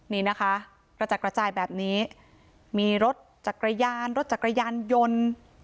นี่นะคะกระจัดกระจายแบบนี้มีรถจักรยานรถจักรยานยนต์